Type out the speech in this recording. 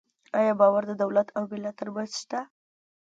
آیا باور د دولت او ملت ترمنځ شته؟